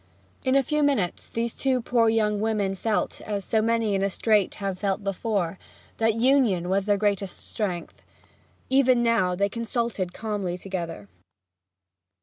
In a few minutes these two poor young women felt, as so many in a strait have felt before, that union was their greatest strength, even now; and they consulted calmly together.